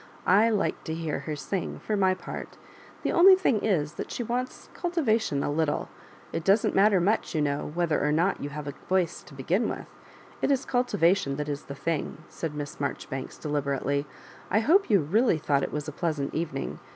I like to hear her sing, for my part — the only thing is that she wants cultivation a little. It doesn't matter much, you know, whether or not you have a voicd to berin with. It is cultivation that is the thing," said Miss Marjoribanks, de liberately. "I hope you really thought it was a pleasant evening.